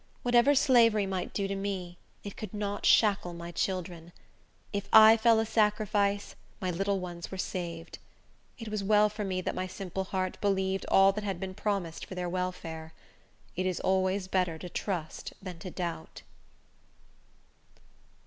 Whatever slavery might do to me, it could not shackle my children. If I fell a sacrifice, my little ones were saved. It was well for me that my simple heart believed all that had been promised for their welfare. It is always better to trust than to doubt.